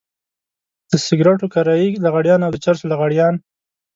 د سګرټو کرايي لغړيان او د چرسو لغړيان.